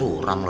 ya pak haji